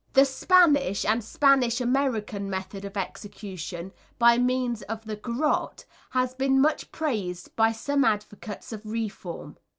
] The Spanish and Spanish American method of execution, by means of the garotte, has been much praised by some advocates of reform.